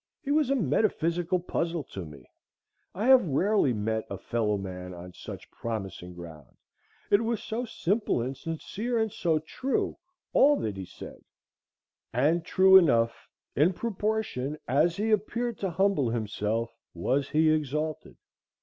He was a metaphysical puzzle to me. I have rarely met a fellow man on such promising ground,—it was so simple and sincere and so true all that he said. And, true enough, in proportion as he appeared to humble himself was he exalted.